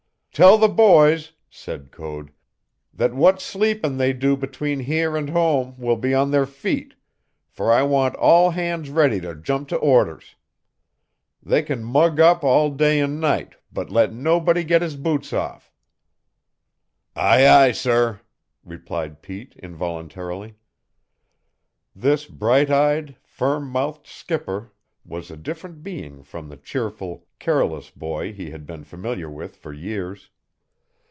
"Tell the boys," said Code, "that what sleepin' they do between here and home will be on their feet, for I want all hands ready to jump to orders. They can mug up day and night, but let nobody get his boots off." "Ay, ay, sir!" replied Pete involuntarily. This bright eyed, firm mouthed skipper was a different being from the cheerful, careless boy he had been familiar with for years.